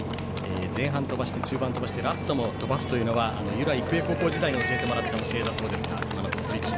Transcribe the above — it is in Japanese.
前半飛ばして中盤飛ばしてラストも飛ばすというのは由良育英高校時代に教えてもらった教えだそうです。